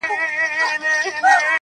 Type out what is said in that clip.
موږ ته ورکي لاري را آسانه کړي-